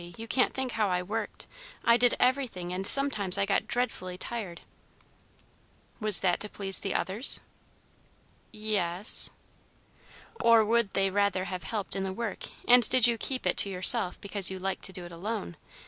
You can't think how I worked. I did everything; and sometimes I got dreadfully tired." "Was that to please the others?" "Y es " "Or would they rather have helped in the work, and did you keep it to yourself because you liked to do it alone?"